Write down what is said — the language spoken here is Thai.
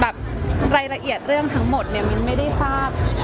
เอาจริงรายละเอียดเรื่องทั้งหมดมินไม่ได้ทราบ